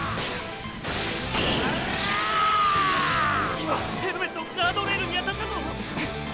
今ヘルメットガードレールに当たったぞ！